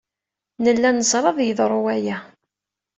Nella neẓra ad yeḍru waya.